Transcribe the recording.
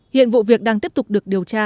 hiện vụ việc đang tiếp tục được điều tra làm rõ